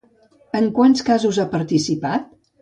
En quants casos ha participat?